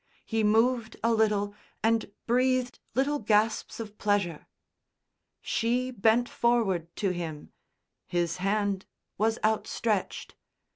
He moved a little and breathed little gasps of pleasure. She bent forward to him, his hand was outstretched.